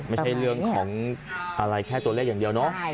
ไม่ใช่เรื่องของอะไรแค่ตัวเลขอย่างเดียวเนาะ